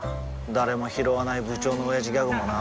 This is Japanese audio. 誰もひろわない部長のオヤジギャグもな